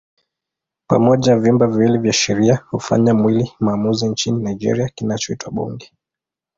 Pamoja vyumba viwili vya sheria hufanya mwili maamuzi nchini Nigeria kinachoitwa Bunge.